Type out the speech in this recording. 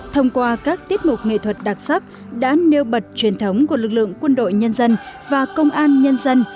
thông qua các tiết mục nghệ thuật đặc sắc đã nêu bật truyền thống của lực lượng quân đội nhân dân và công an nhân dân